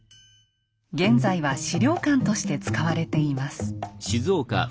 現在は資料館として使われています。